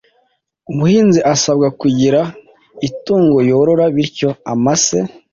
umuhinzi asabwa kugira itungo yorora. Bityo amase,